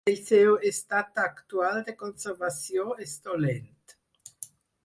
El seu estat actual de conservació és dolent.